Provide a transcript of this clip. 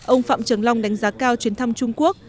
ông phạm trường long đánh giá cao chuyến thăm trung quốc